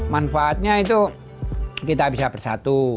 manfaatnya itu kita bisa bersatu